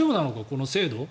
この制度。